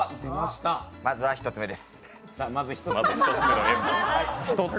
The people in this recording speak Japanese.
まずは１つ目です。